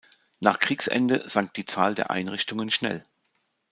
Nach Kriegsende sank die Zahl der Einrichtungen schnell.